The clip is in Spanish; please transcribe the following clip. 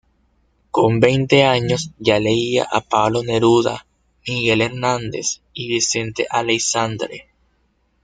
Con veinte años ya leía a Pablo Neruda, Miguel Hernández y Vicente Aleixandre.